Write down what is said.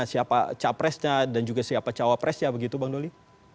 siapa capres nya dan juga siapa cawapres nya begitu bang doli